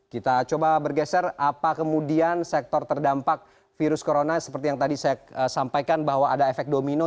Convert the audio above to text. kita coba bergeser apa kemudian sektor terdampak virus corona seperti yang tadi saya sampaikan bahwa ada efek domino